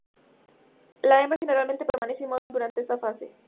La hembra generalmente permanece inmóvil durante esta fase.